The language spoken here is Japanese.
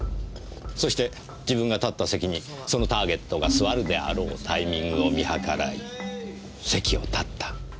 そして自分が立った席にそのターゲットが座るであろうタイミングを見計らい席を立った。